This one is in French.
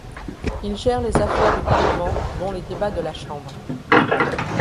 Il gère les affaires du Parlement, dont les débats de la chambre.